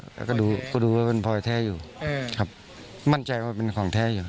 แล้วก็ดูก็ดูว่าเป็นพลอยแท้อยู่ครับมั่นใจว่าเป็นของแท้อยู่